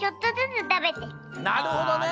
なるほどね！